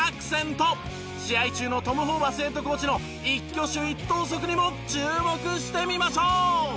試合中のトム・ホーバスヘッドコーチの一挙手一投足にも注目してみましょう。